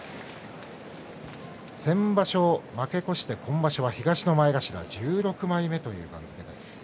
先場所負け越して今場所は東の前頭１６枚目という番付です。